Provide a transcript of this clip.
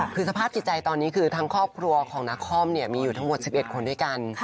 คือสภาพจิตใจตอนนี้คือทั้งครอบครัวของนักคอมมีอยู่ทั้งหมด๑๑คนด้วยกัน